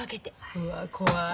うわ怖い。